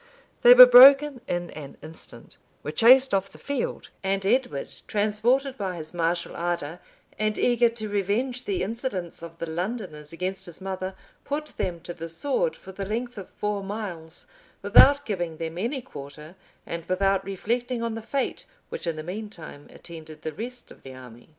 They were broken in an instant; were chased off the field; and Edward, transported by his martial ardor, and eager to revenge the insolence of the Londoners against his mother,[*] put them to the sword for the length of four miles, without giving them any quarter, and without reflecting on the fate which in the mean time attended the rest of the army.